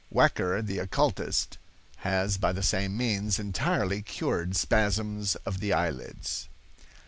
Wecker, the occulist, has by the same means entirely cured spasms of the eye lids."